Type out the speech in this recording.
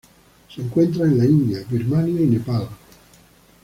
Se encuentra en la India Birmania y Nepal.